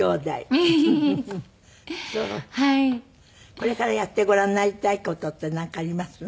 これからやってごらんになりたい事ってなんかあります？